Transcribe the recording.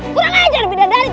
kurang ajar bidadari terkutuk itu